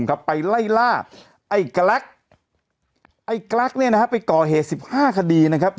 ไปไล่ล่าไอ้กลักไอ้กลักเนี่ยนะฮะไปก่อเหตุสิบห้าคดีนะครับ